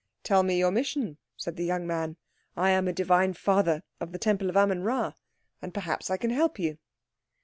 "Tell me your mission," said the young man. "I am a divine father of the Temple of Amen Rā and perhaps I can help you."